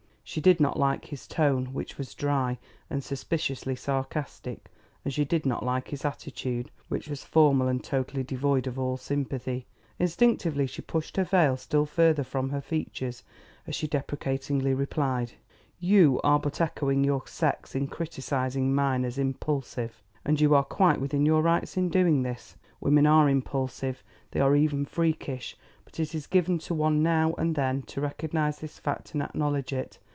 She did not like his tone which was dry and suspiciously sarcastic, and she did not like his attitude which was formal and totally devoid of all sympathy. Instinctively she pushed her veil still further from her features as she deprecatingly replied: "You are but echoing your sex in criticising mine as impulsive. And you are quite within your rights in doing this. Women are impulsive; they are even freakish. But it is given to one now and then to recognise this fact and acknowledge it.